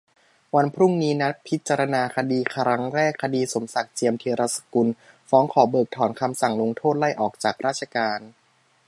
วันพรุ่งนี้ นัดพิจารณาคดีครั้งแรก คดีสมศักดิ์ เจียมธีรสกุล ฟ้องขอเพิกถอนคำสั่งลงโทษไล่ออกจากราชการ